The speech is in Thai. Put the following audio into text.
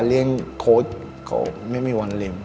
เรียกโค้ชก็ไม่มีวันเล่น